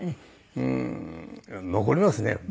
うーん残りますね。